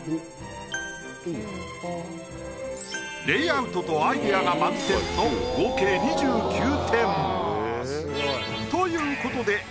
レイアウトとアイデアが満点の合計２９点。ということで。